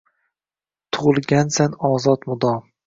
Tug’ilgansan ozod, mudom